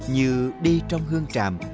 như đi trong hương tràm